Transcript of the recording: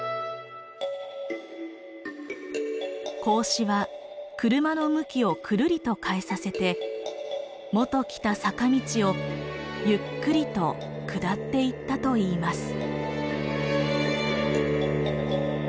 孔子は車の向きをくるりと変えさせてもと来た坂道をゆっくりと下っていったといいます。